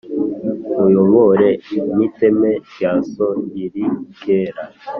nkuyobore n'iteme rya so riri kera,